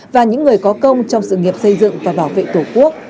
và những người có công trong sự nghiệp xây dựng và bảo vệ tổ quốc